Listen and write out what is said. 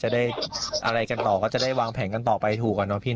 จะได้อะไรกันต่อก็จะได้วางแผนกันต่อไปถูกอะเนาะพี่